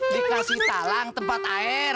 dikasih talang tempat air